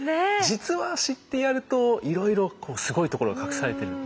実は知ってやるといろいろすごいところが隠されてる。